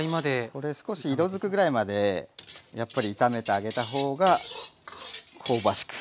これ少し色づくぐらいまでやっぱり炒めてあげた方が香ばしく